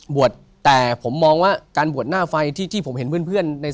บวชแต่ผมมองว่าการบวชหน้าไฟที่ผมเห็นเพื่อนใน